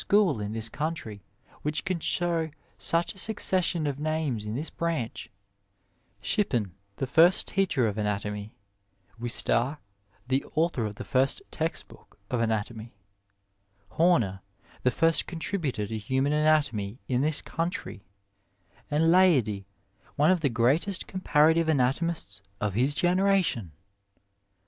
81 G Digitized by VjOOQiC THE LEAVEN OF SCIENCE in this country which can show such a succession of names in this branch : Shippen, the first teacher of anatomy ; Wistar, the author of the first text book of anatomy ; Homer, the first contributor to human anatomy in this country; and Leidy, one of the greatest comparative anatomists of his generation